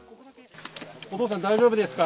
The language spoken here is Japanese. お父さん、大丈夫ですか？